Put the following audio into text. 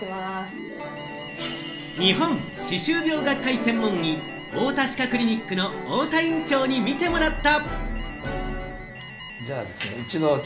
日本歯周病学会専門医・おおた歯科クリニックの太田院長に診てもらった。